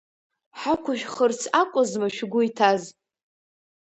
Ҳақәышәхырц акәызма шәгәы иҭаз?